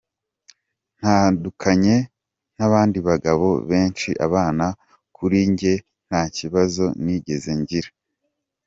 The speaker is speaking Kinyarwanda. Ntandukanye n’abandi bagabo benshi, abana kuri njye nta kibazo nigeze ngira.